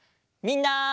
みんな。